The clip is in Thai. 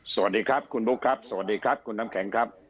สวัสดีครับคุณบุ๊คครับสวัสดีครับคุณน้ำแข็งครับ